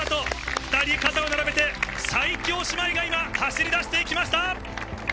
２人肩を並べて、最強姉妹が今、走りだしていきました。